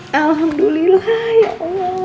mak alhamdulillah ya allah